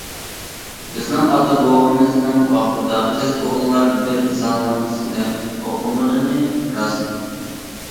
بىزنىڭ ئاتا-بوۋىمىزنىڭ ۋاقتىدا قىز-ئوغۇللار بىر زالنىڭ ئىچىدە ئوقۇمىغىنى راست.